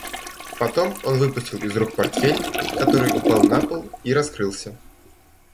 Потом он выпустил из рук портфель, который упал на пол и раскрылся.